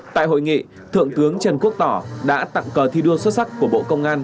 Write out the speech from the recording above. tại hội nghị thượng tướng trần quốc tỏ đã tặng cờ thi đua xuất sắc của bộ công an